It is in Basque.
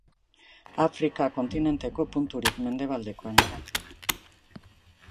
Afrika kontinenteko punturik mendebaldekoena da.